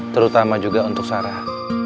terutama juga untuk sarah